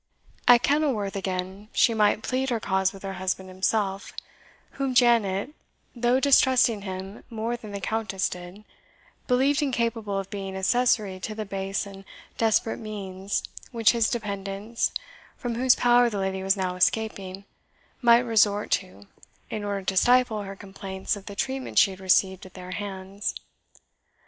At Kenilworth, again, she might plead her cause with her husband himself, whom Janet, though distrusting him more than the Countess did, believed incapable of being accessory to the base and desperate means which his dependants, from whose power the lady was now escaping, might resort to, in order to stifle her complaints of the treatment she had received at their hands.